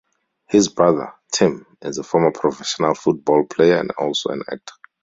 His brother, Tim, is a former professional football player and also an actor.